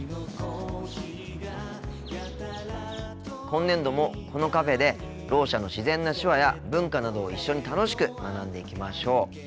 今年度もこのカフェでろう者の自然な手話や文化などを一緒に楽しく学んでいきましょう。